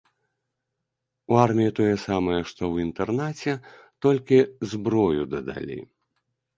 У арміі тое самае, што ў інтэрнаце, толькі зброю дадалі.